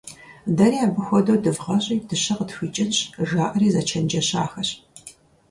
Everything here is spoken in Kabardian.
«Дэри абы хуэдэу дывгъащӀи дыщэ къытхуикӀынщ» - жаӀэри зэчэнджэщахэщ.